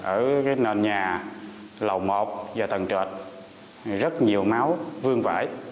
ở cái nền nhà lầu một và tầng trệt rất nhiều máu vương vải